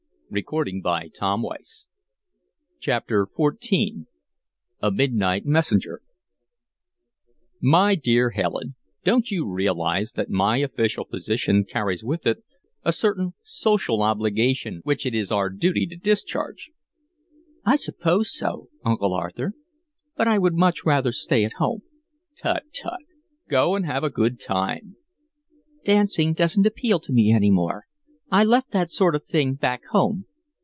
I can't understand myself." CHAPTER XIV A MIDNIGHT MESSENGER "My dear Helen, don't you realize that my official position carries with it a certain social obligation which it is our duty to discharge?" "I suppose so, Uncle Arthur; but I would much rather stay at home." "Tut, tut! Go and have a good time." "Dancing doesn't appeal to me any more. I left that sort of thing back home.